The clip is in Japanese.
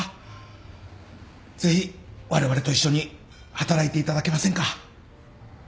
ぜひわれわれと一緒に働いていただけませんか？